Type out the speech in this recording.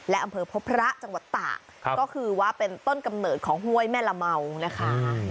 และอำเภอพบพระจังหวัดตากก็คือว่าเป็นต้นกำเนิดของห้วยแม่ละเมานะคะ